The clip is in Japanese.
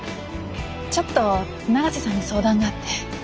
ちょっと永瀬さんに相談があって。